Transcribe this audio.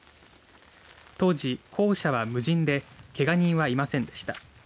当時、校舎は無人でけが人はいませんでした。